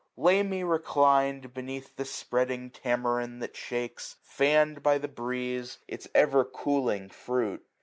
Lay me reclined Beneath the spreading tamarind that shakes, Fann'd by the breeze, its fever cooling fruit.